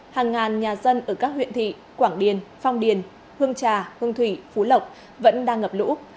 hàng ngàn nhà dân ở các huyện thị quảng điền phong điền hương trà hương thủy phú lộc vẫn đang ngập lũ